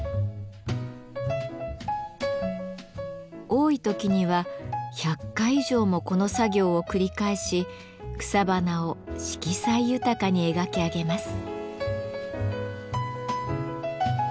多い時には１００回以上もこの作業を繰り返し草花を色彩豊かに描き上げます。